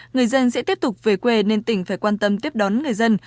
người dân sẽ tiếp tục về quê nên tỉnh phải quan tâm tiếp đón người dân